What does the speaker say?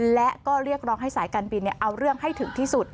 และก็เรียกร้องให้สายการบินเอาเรื่องให้ถึงที่สุด